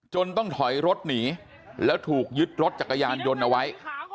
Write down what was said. ต้องถอยรถหนีแล้วถูกยึดรถจักรยานยนต์เอาไว้